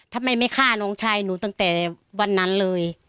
ทำไมไม่ฆ่าน้องชายหนูตั้งแต่วันนั้นเลย